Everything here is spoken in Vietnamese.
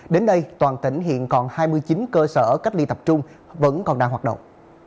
đến nay toàn tỉnh hiện còn hai mươi chín cơ sở cách ly tập trung vẫn còn đang hoạt động